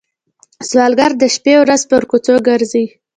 سوالګر د شپه ورځ پر کوڅو ګرځي